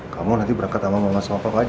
kamu nanti berangkat sama mama sama papa kok aja